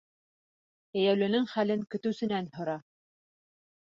Йәйәүленең хәлен көтөүсенән һора.